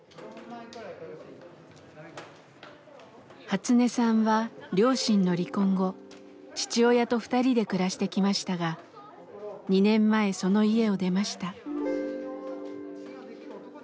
ハツネさんは両親の離婚後父親と２人で暮らしてきましたが２年前その家を出ました。